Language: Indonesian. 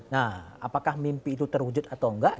nah apakah mimpi itu terwujud atau enggak